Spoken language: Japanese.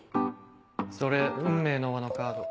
それ「運命の輪」のカード。